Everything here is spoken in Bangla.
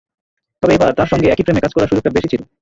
তবে এবার তাঁর সঙ্গে একই ফ্রেমে কাজ করার সুযোগটা বেশি ছিল।